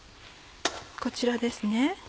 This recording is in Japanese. こちらですね。